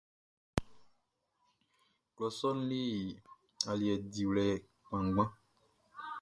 Klɔ sɔʼn le aliɛ diwlɛ kpanngban.